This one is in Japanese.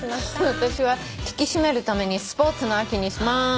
私は引き締めるために「スポーツの秋」にしまーす。